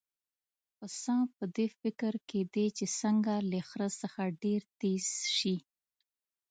پسه په دې فکر کې دی چې څنګه له خره څخه ډېر تېز شي.